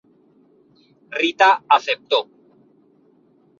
Rita aceptó.